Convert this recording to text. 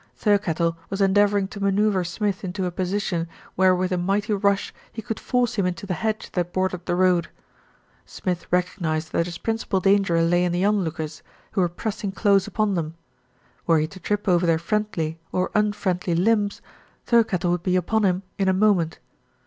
Thirkettle was endeavouring to manoeuvre Smith into a position where with a mighty rush he could force him into the hedge that bordered the road. Smith recognised that his principal danger lay in the onlookers, who were pressing close upon them. Were he to trip over their friendly, or unfriendly limbs, Thir kettle would be upon him in a moment.